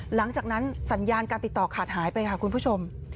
หลังจากนั้นสัญญาณการติดต่อขาดหายไปค่ะคุณผู้ชม